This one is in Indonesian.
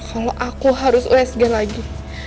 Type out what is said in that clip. kalau aku harus usg lagi